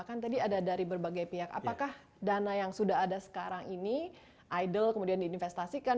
kan tadi ada dari berbagai pihak apakah dana yang sudah ada sekarang ini idol kemudian diinvestasikan